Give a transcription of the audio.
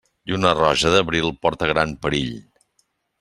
Lluna roja d'abril porta gran perill.